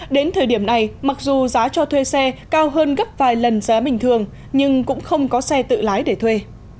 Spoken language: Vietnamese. đến thời điểm này mặc dù giá cho thuê xe cao hơn gấp vài lần giá bình thường nhưng cũng không có xe tự lái để thuê